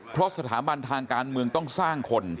เพราะสถาบันทางการเมืองต้องสร้างคน